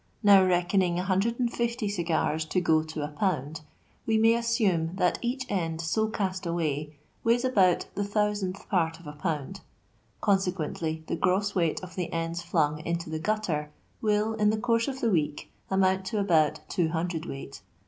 Now, reckoning 150 cigars to go to a pound, we may assume that each end so cast away weighs about the thousandth part of a pound ; consequently the gross weight of the ends flung into the gutter will, in the course of the week, amount to about 2 cwt.